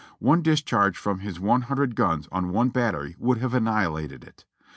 One dis charge from his 100 guns on one battery would have annihilated it.